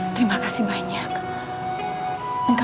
terima kasih banyak